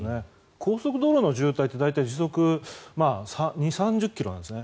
高速道路の渋滞って、大体時速２０３０ｋｍなんですね。